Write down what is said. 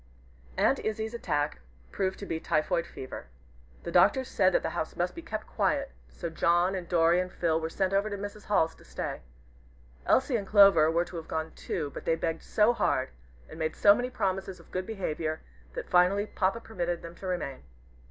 Aunt Izzie's attack proved to be typhoid fever. The doctors said that the house must be kept quiet, so John, and Dorry, and Phil were sent over to Mrs. Hall's to stay. Elsie and Clover were to have gone too, but they begged so hard, and made so many promises of good behavior, that finally Papa permitted them to remain.